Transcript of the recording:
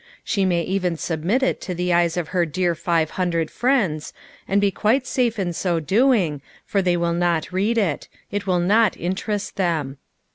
She may even submit it to the eyes of her dear five hun dred friends, and be quite safe in so doing, for they will not read it. It will not interest them.